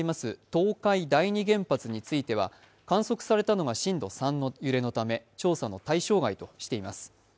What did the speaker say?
東海第二原発については観測されたのが震度３の揺れのため調査の対象外としています。